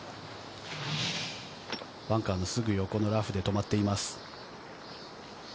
バンカーのすぐ横のラフで止まっています。